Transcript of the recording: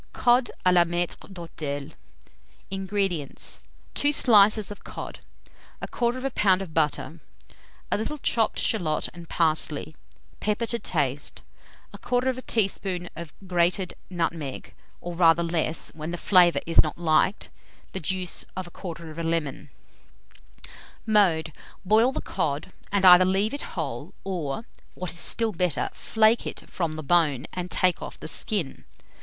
COD A LA MAITRE D'HOTEL. 240. INGREDIENTS. 2 slices of cod, 1/4 lb. of butter, a little chopped shalot and parsley; pepper to taste, 1/4 teaspoonful of grated nutmeg, or rather less, when the flavour is not liked; the juice of 1/4 lemon. Mode. Boil the cod, and either leave it whole, or, what is still better, flake it from the bone, and take off the skin.